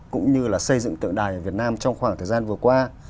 cũng như là xây dựng tượng đài ở việt nam trong khoảng thời gian vừa qua